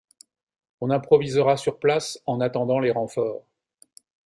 On improvisera sur place en attendant les renforts.